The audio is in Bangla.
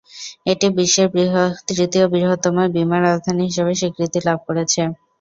এটি বিশ্বের তৃতীয় বৃহত্তম বিমা রাজধানী হিসেবেও স্বীকৃতি লাভ করেছে।